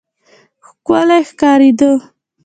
ښکلی ښکارېده.